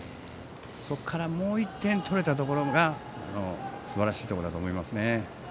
そこからもう１点取れたところがすばらしいところだと思いますね。